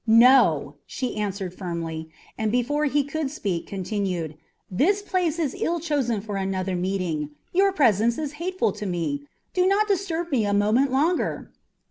"No!" she answered firmly, and, before he could speak, continued: "This place is ill chosen for another meeting! Your presence is hateful to me! Do not disturb me a moment longer!"